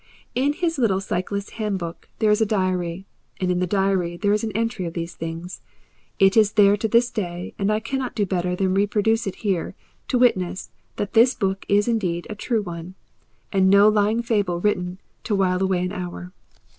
In his little cyclist hand book there is a diary, and in the diary there is an entry of these things it is there to this day, and I cannot do better than reproduce it here to witness that this book is indeed a true one, and no lying fable written to while away an hour.